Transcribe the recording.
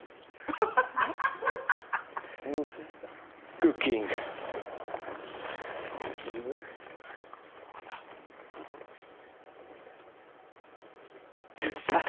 クッキング・スタート！！